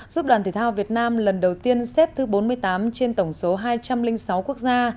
giúp đoàn thể thao việt nam lần đầu tiên xếp thứ bốn mươi tám trên tổng số hai trăm linh sáu quốc gia